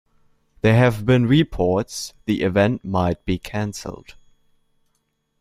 There have been reports the event might be canceled.